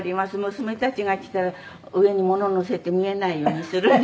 娘たちが来たら上にもの載せて見えないようにするんですけど。